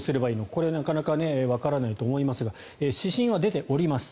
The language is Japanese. これはなかなかわからないと思いますが指針は出ております。